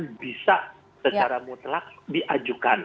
dan bisa secara mutlak diajukan